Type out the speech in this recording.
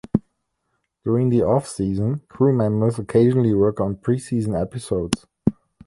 During the off-season, crew members occasionally work on pre-season episodes.